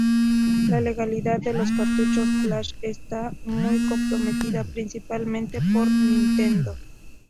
La legalidad de los cartuchos flash está muy comprometida, principalmente por Nintendo.